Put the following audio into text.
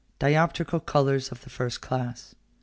DIOPTRICAL COLOURS OF THE FIRST CLASS.